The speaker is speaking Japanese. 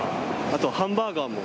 あとハンバーガーも。